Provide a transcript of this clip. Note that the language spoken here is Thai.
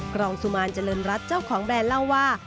รองสุมารเจริญรัฐเจ้าของแบรนด์เล่าว่า